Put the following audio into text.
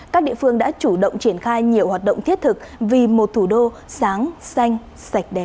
các địa phương đã chủ động triển khai nhiều hoạt động thiết thực vì một thủ đô sáng xanh sạch đẹp